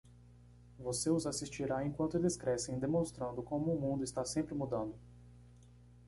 Você os assistirá enquanto eles crescem demonstrando como o mundo está sempre mudando.